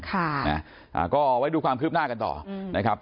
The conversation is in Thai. ค่ะนะอ่าก็ไว้ดูความคืบหน้ากันต่อนะครับ